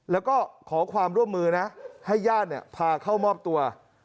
แล้วก็ขอความร่วมมือนะให้ญาติพาเข้ามอบตัว